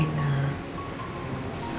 ini mas dalarina